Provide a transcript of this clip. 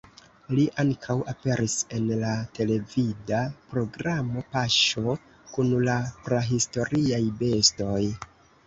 Li ankaŭ aperis en la televida programo "Paŝo kun la prahistoriaj bestoj".